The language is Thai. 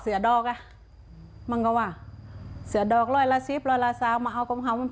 เหมือนส่วนนั้นไหม